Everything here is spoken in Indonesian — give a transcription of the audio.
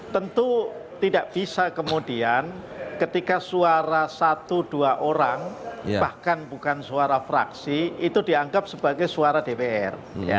tentu tidak bisa kemudian ketika suara satu dua orang bahkan bukan suara fraksi itu dianggap sebagai suara dpr